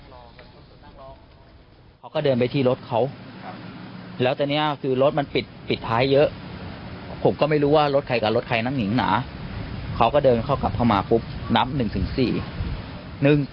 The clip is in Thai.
มาดูสิทธิ์ผมพบผมแล้วก็ทาบก่อนบอกว่ารถมือหรอ